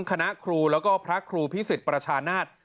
คณะครูแล้วก็พระครูพิสิทธิ์ประชานาศ